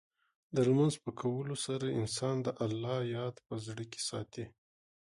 د لمونځ په کولو سره، انسان د الله یاد په زړه کې ساتي.